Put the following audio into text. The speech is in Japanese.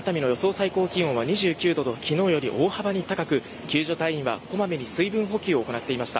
最高気温は２９度と昨日より大幅に高く救助隊員は、小まめに水分補給を行っていました。